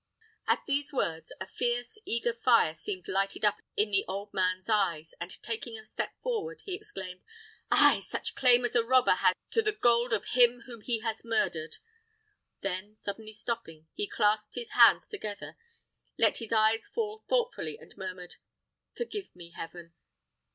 At these words, a fierce, eager fire seemed lighted up in the old man's eyes, and taking a step forward, he exclaimed, "Ay, such claim as a robber has to the gold of him whom he has murdered!" Then, suddenly stopping, he clasped his hands together, let his eyes fall thoughtfully, and murmured, "Forgive me, Heaven!